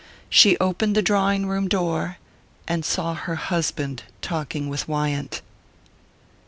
She opened the drawing room door, and saw her husband talking with Wyant.